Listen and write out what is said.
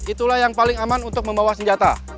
itulah yang paling aman untuk membawa senjata